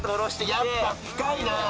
やっぱ深いな！